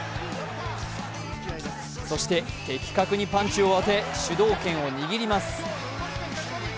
そして、的確にパンチを当て主導権を握ります。